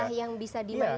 itu celah yang bisa dimainin